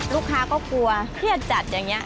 ลูกค้าก็กลัวเครียดจัดอย่างนี้